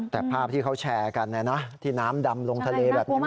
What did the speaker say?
แต่ภาพที่เขาแชร์กันที่น้ำดำลงทะเลแบบนี้